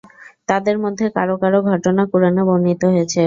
তাঁদের মধ্যে কারো কারো ঘটনা কুরআনে বর্ণিত হয়েছে।